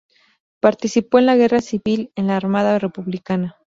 Participó en la guerra civil en la Armada republicana.